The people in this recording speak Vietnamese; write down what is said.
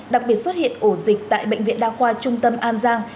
đặc biệt xuất hiện ổ dịch tại bệnh viện đa khoa trung tâm an giang